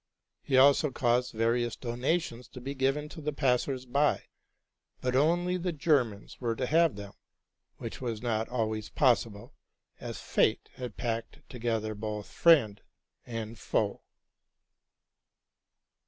He also caused various donations to be given to the passers by; but only the Germans were to have them, which was not always possible, as fate had packed together both friend and foe.